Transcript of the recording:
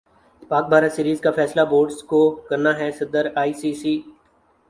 پاک بھارت سیریز کا فیصلہ بورڈ زکو کرنا ہےصدر ائی سی سی